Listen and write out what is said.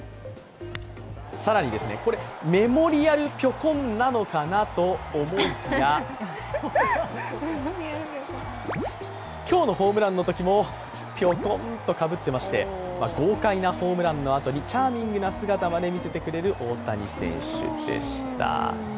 更に、メモリアルぴょこんなのかなと思いきや、今日のホームランのときもぴょこんと、かぶってまして豪快なホームランのあとにチャーミングな姿も見せてくれる大谷選手でした。